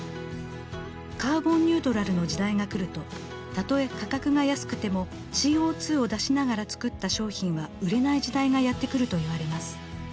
カーボンニュートラルの時代が来るとたとえ価格が安くてもＣＯを出しながら作った商品は売れない時代がやって来るといわれます。